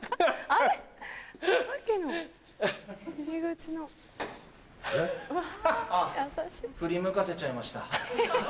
あぁ振り向かせちゃいました。